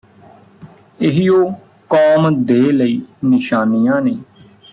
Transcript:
ਇਹੀਉ ਕੌਮ ਦੇ ਲਈ ਨਿਸ਼ਾਨੀਆਂ ਨੇ